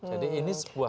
jadi ini sebuah